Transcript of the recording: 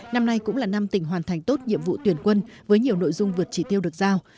năm nay cũng là năm tỉnh hoàn thành tốt nhiệm vụ tuyển quân với nhiều nội dung vượt trị tiêu được giao